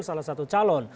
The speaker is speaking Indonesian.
salah satu calon